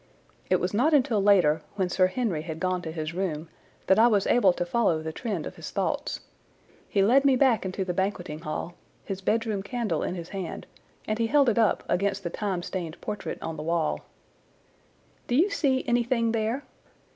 It was not until later, when Sir Henry had gone to his room, that I was able to follow the trend of his thoughts. He led me back into the banqueting hall, his bedroom candle in his hand, and he held it up against the time stained portrait on the wall. "Do you see anything there?"